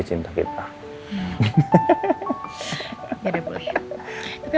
tidak ada masalah